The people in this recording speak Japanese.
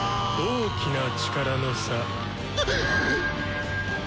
大きな力の差。